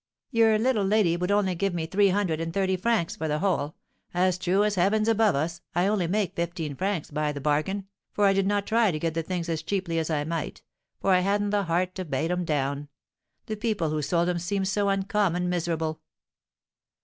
"Your little lady would only give me three hundred and thirty francs for the whole; as true as heaven's above us, I only make fifteen francs by the bargain, for I did not try to get the things as cheaply as I might, for I hadn't the heart to bate 'em down; the people who sold 'em seemed so uncommon miserable!"